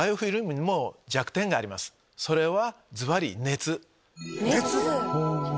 それは。